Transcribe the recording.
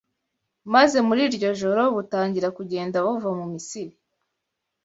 maze muri iryo joro butangira kugenda buva mu Misiri